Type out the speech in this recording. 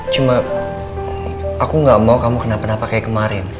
cuma aku gak mau kamu kenapa napa kayak kemarin